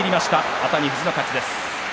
熱海富士の勝ちです。